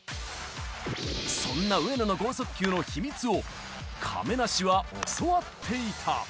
そんな上野の剛速球の秘密を、亀梨は教わっていた。